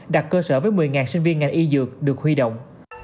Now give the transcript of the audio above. đặt cơ sở với một mươi sinh viên ngành y dược được huy động